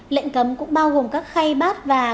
lệnh cấm cũng bao gồm các khay bát và